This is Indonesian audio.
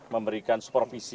memberikan super kerasnya ya